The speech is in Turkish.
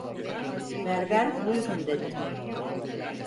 Berber "Buyurun" dedi.